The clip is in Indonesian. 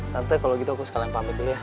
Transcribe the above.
tante kalau gitu aku sekalian pamit dulu ya